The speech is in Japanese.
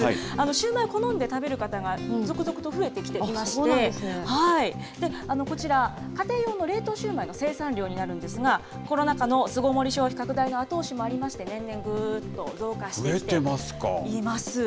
シューマイ好んで食べる方が続々と増えてきていまして、こちら、家庭用の冷凍シューマイの生産量になるんですが、コロナ禍の巣ごもり消費拡大の後押しもありまして、年々、ぐーっと増加しています。